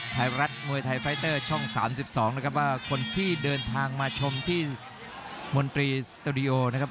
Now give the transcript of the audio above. ไทยรัฐมวยไทยไฟเตอร์ช่อง๓๒นะครับว่าคนที่เดินทางมาชมที่มนตรีสตูดิโอนะครับ